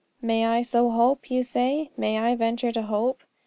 May I so hope? you say. May I venture to hope?